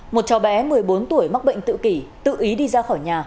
một cháu bé một mươi bốn tuổi mắc bệnh tự kỷ tự ý đi ra khỏi nhà